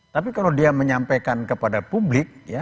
tapi kalau dia menyampaikan kepada publik